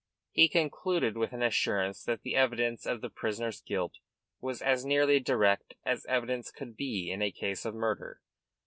He concluded with an assurance that the evidence of the prisoner's guilt was as nearly direct as evidence could be in a case of murder.